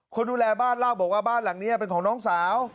คนดูแลบ้านเล่าบอกว่าบ้านหลังนี้เป็นของน้องสาว